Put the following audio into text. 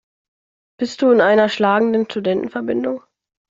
Bist du in einer schlagenden Studentenverbindung?